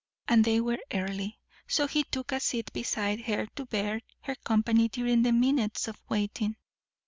They were early, so he took a seat beside her to bear her company during the minutes of waiting.